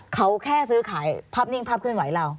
เขาแค่ซื้อขายภาพนิ่งภาพเคลื่อนไหวเรา